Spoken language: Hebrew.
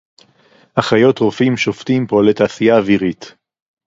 אחיות, רופאים, שופטים, פועלי תעשייה אווירית